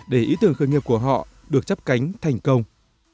để ý tưởng khởi nghiệp của họ được chấp cánh thành công